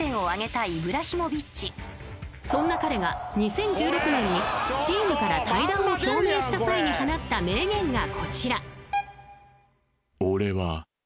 ［そんな彼が２０１６年にチームから退団を表明した際に放った名言がこちら］